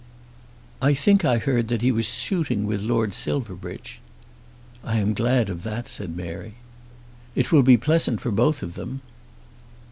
"I think I heard that he was shooting with Lord Silverbridge." "I am glad of that," said Mary. "It will be pleasant for both of them."